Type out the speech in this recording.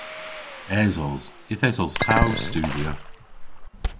Esos. Yth esos ta ow studhya.